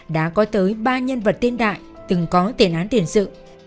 đã có tới ba nhân vật tiên đại từng có tiền án tiền sự